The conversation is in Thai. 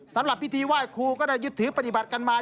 สำหรับพิธีไหว้ครูก็ได้ยึดถือปฏิบัติกันมา